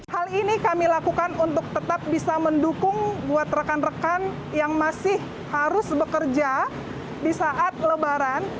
hal ini kami lakukan untuk tetap bisa mendukung buat rekan rekan yang masih harus bekerja di saat lebaran